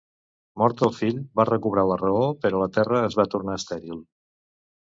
Mort el fill, va recobrar la raó, però la terra es va tornar estèril.